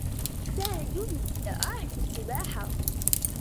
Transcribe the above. ساعدوني. لا أعرف السّباحة.